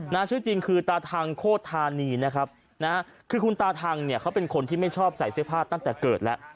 ชื่อจริงคือตาทังโคตรธานีนะครับนะคือคุณตาทังเนี่ยเขาเป็นคนที่ไม่ชอบใส่เสื้อผ้าตั้งแต่เกิดแล้ว